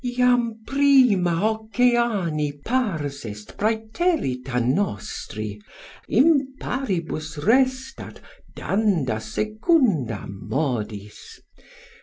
Jam prima Oceani pars est praeterita nostri. Imparibus restat danda secunda modis.